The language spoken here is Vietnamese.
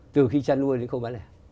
từ khi chăn nuôi đến không bán lẻ